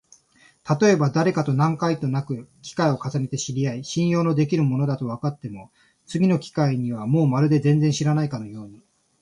たとえばだれかと何回となく機会を重ねて知り合い、信用のできる者だとわかっても、次の機会にはもうまるで全然知らないかのように、